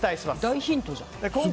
大ヒントじゃん。